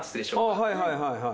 はいはいはいはい。